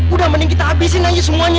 udah mending kita habisin aja semuanya